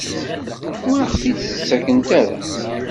Ur aɣ-t-id-ttakent ara?